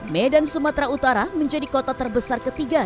medan sumatera utara menjadi kota terbesar ketiga